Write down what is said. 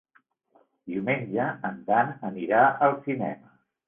Diumenge en Dan anirà al cinema.